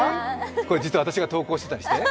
これ、実は私が投稿してたりして？